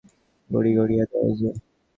গাড়ি ছাড়িয়া দেয় যে!